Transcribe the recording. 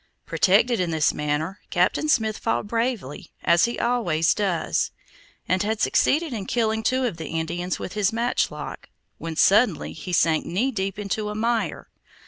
Protected in this manner, Captain Smith fought bravely, as he always does, and had succeeded in killing two of the Indians with his matchlock, when suddenly he sank knee deep into a mire.